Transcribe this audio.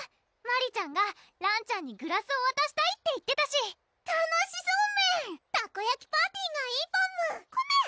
マリちゃんがらんちゃんにグラスをわたしたいって言ってたし楽しそうメンたこやきパーティがいいパムコメ！